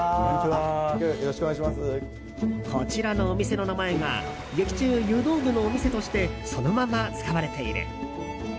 こちらのお店の名前が劇中、湯道具のお店としてそのまま使われている。